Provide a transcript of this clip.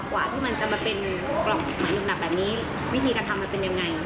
กว่าที่มันจะมาเป็นกล่องเหมือนหนักแบบนี้วิธีการทำมันเป็นยังไง